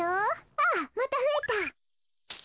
ああまたふえた。